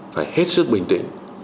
phải hết sức bình tĩnh